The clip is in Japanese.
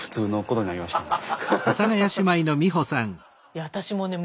いや私もね